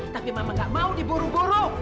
tapi mama gak mau diburu buru